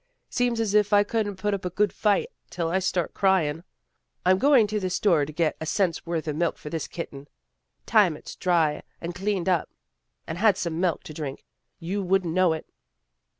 " Seems as if I couldn't put up a good fight till I start cryin'. I'm going to the store and get a cent's worth o' milk for this kitten. Time it's dry and cleaned up, and had some milk to drink, you wouldn't know it."